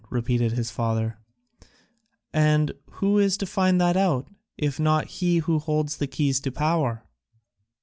repeated his father. "And who is to find that out, if not he who holds the keys of power?